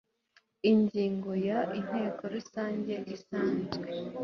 ingingo ya inteko rusange isanzwe